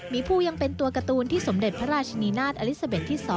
มีภูยังเป็นตัวการ์ตูนที่สมเด็จพระราชนีนาฏอลิซาเบสที่๒